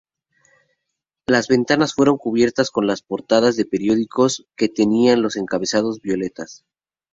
Las ventanas fueron cubiertas con las portadas de periódicos que tenían los encabezados violetas.